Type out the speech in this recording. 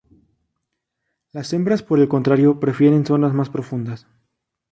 Las hembras, por el contrario, prefieren zonas más profundas.